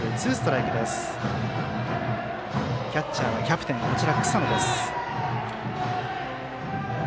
キャッチャーはキャプテン、草野。